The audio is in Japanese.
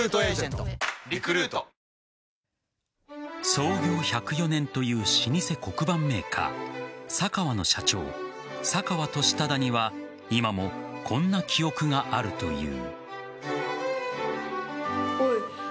創業１０４年という老舗黒板メーカーサカワの社長・坂和寿忠には今も、こんな記憶があるという。